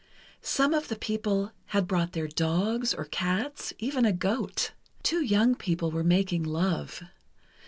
Some of the people had brought their dogs, or cats, even a goat. Two young people were making love.